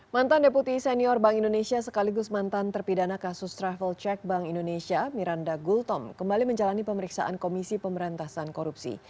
mantan deputi senior bank indonesia sekaligus mantan terpidana kasus travel check bank indonesia miranda gultom kembali menjalani pemeriksaan komisi pemberantasan korupsi